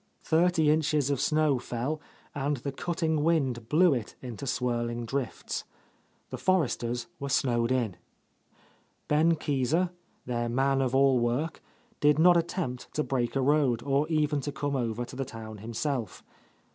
Thirty inches of snow fell, and the cutting wind blew it into whirling drifts. The Forresters were snowed in. Ben Keezer, —71— A Lost Lady their man of all work, did not attempt to break a road or even to come over to the town himself.